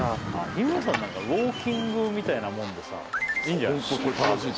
日村さんなんかウオーキングみたいなもんでさいいんじゃない？